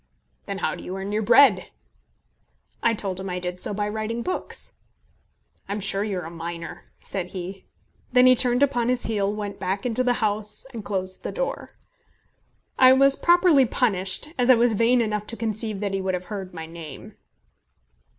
"Then how do you earn your bread?" I told him that I did so by writing books. "I'm sure you're a miner," said he. Then he turned upon his heel, went back into the house, and closed the door. I was properly punished, as I was vain enough to conceive that he would have heard my name.